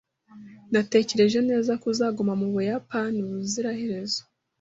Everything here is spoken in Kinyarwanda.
Natekereje neza ko uzaguma mu Buyapani ubuziraherezo.